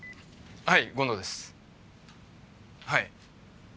はい。